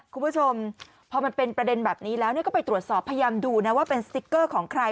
คุณผู้ชมพอมันเป็นประเด็นแบบนี้แล้วก็ไปตรวจสอบพยายามดูนะว่าเป็นสติ๊กเกอร์ของใคร